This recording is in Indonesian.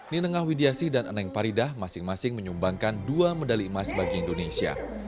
nenengah widiasi dan eneng paridah masing masing menyumbangkan dua medali emas bagi indonesia